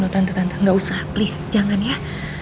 tante tante gak usah please jangan ya